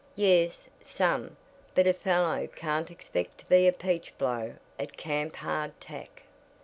"Yes, some. But a fellow can't expect to be a peachblow at Camp Hard Tack."